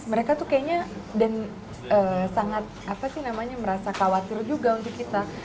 mereka tuh kayaknya dan sangat apa sih namanya merasa khawatir juga untuk kita